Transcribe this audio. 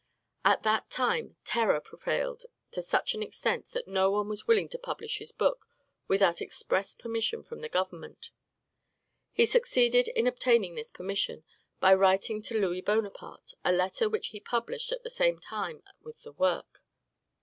At that time, terror prevailed to such an extent that no one was willing to publish his book without express permission from the government. He succeeded in obtaining this permission by writing to Louis Bonaparte a letter which he published at the same time with the work.